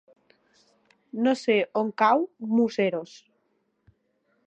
No sé on cau Museros.